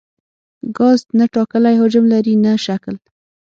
ګاز نه ټاکلی حجم لري نه شکل.